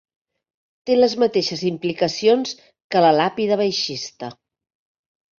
Té les mateixes implicacions que la Làpida baixista.